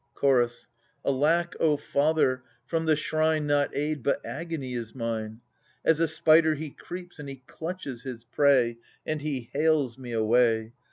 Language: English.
Chorus. Alack, O father ! from the shrine Not aid but agony is mine. As a spider he creeps and he clutches his prey, And he hales me away.